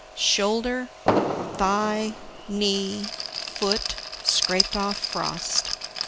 Shoulder, thigh, knee, foot scraped off frost.